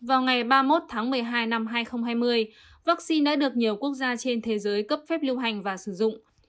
vào ngày ba mươi một tháng một mươi hai năm hai nghìn hai mươi vaccine đã được nhiều quốc gia trên thế giới cấp phép lưu hành và sử dụng